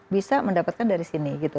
bisa mendapatkan dari sini